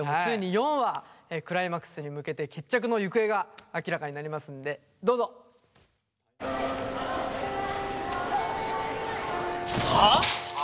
クライマックスに向けて決着の行方が明らかになりますんでどうぞ！はあ！？